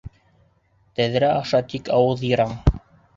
Тәҙрә аша тик ауыҙ йырам!